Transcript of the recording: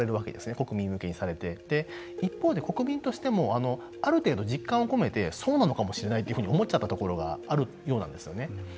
国民向けにされて一方で国民としてもある程度、実感をこめてそうなのかもしれないというふうに思っちゃったところがあるようなんですよね。